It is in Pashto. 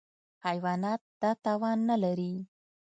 حیوانات دا توان نهلري.